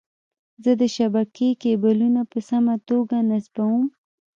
زه د شبکې کیبلونه په سمه توګه نصبووم.